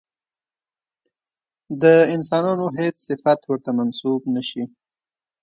د انسانانو هېڅ صفت ورته منسوب نه شي.